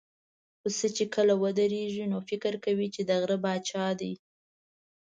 پسه چې کله ودرېږي، نو فکر کوي چې د غره پاچا دی.